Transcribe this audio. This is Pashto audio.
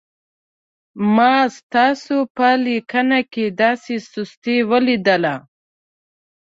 ما ستاسو په لیکنه کې دا سستي ولیدله.